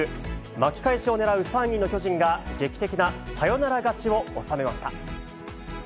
巻き返しを狙う３位の巨人が、劇的なサヨナラ勝ちを収めました。